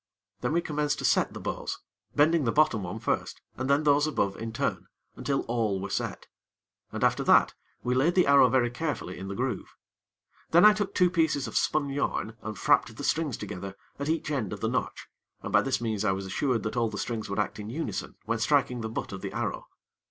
Then we commenced to set the bows, bending the bottom one first, and then those above in turn, until all were set; and, after that, we laid the arrow very carefully in the groove. Then I took two pieces of spun yarn and frapped the strings together at each end of the notch, and by this means I was assured that all the strings would act in unison when striking the butt of the arrow.